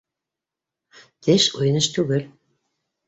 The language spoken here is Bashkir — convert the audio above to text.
Теш — уйын эш түгел.